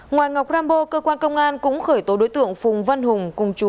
ngoài ngọc rambo cơ quan công an cũng khởi tố đối tượng phùng văn hùng cùng chú